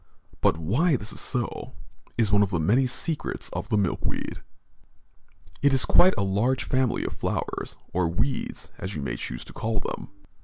But why this is so, is one of the many secrets of the milkweed. It is quite a large family of flowers, or weeds, as you may choose to call them.